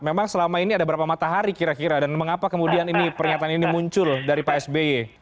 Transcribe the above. memang selama ini ada berapa matahari kira kira dan mengapa kemudian ini pernyataan ini muncul dari pak sby